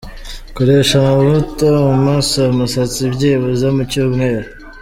Koresha amavuta umasa umusatsi byibuza mu cyumweru.